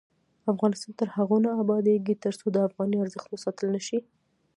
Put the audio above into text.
افغانستان تر هغو نه ابادیږي، ترڅو د افغانۍ ارزښت وساتل نشي.